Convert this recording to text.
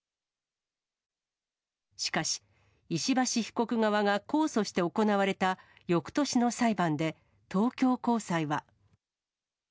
しかし、石橋被告側が控訴して行われた翌年の裁判で、東京高裁は。